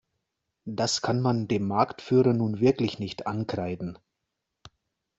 Das kann man dem Marktführer nun wirklich nicht ankreiden.